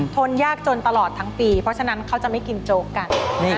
ยากจนตลอดทั้งปีเพราะฉะนั้นเขาจะไม่กินโจ๊กกัน